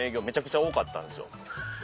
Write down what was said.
めちゃくちゃ多かったんですよ。